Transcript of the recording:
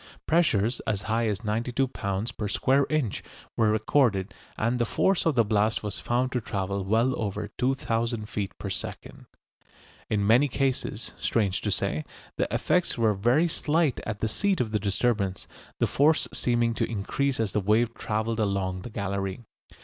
Pressures as high as 92 lb. per square inch were recorded, and the force of the blast was found to travel well over 2000 feet per second. In many cases, strange to say, the effects were very slight at the seat of the disturbance, the force seeming to increase as the wave travelled along the gallery.